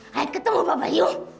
saya ketemu bapak yu